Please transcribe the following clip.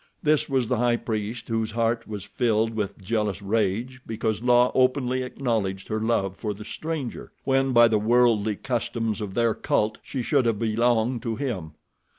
This was the High Priest whose heart was filled with jealous rage because La openly acknowledged her love for the stranger, when by the worldly customs of their cult she should have belonged to him.